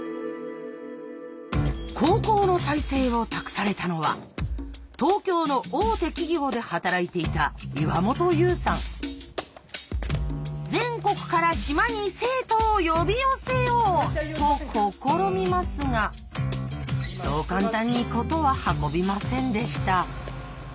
高校の再生を託されたのは東京の大手企業で働いていた全国から島に生徒を呼び寄せよう！と試みますがそう簡単に事は運びませんでした。